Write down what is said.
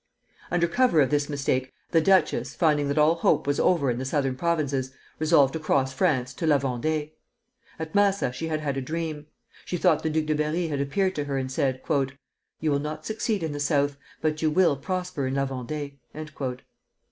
Under cover of this mistake the duchess, finding that all hope was over in the southern provinces, resolved to cross France to La Vendée. At Massa she had had a dream. She thought the Duc de Bern had appeared to her and said: "You will not succeed in the South, but you will prosper in La Vendée."